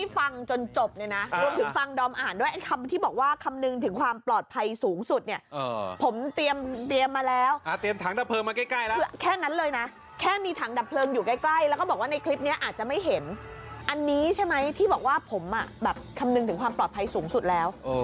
ฟาร์มคิดมันผิดกฎหมายเป้าะ